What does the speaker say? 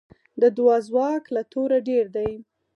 د دعا ځواک له توره ډېر دی.